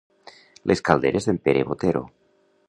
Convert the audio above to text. Les calderes d'en Pere Botero.